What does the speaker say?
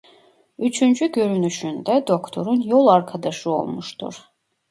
Üçüncü görünüşünde Doktor'un yol arkadaşı olmuştur.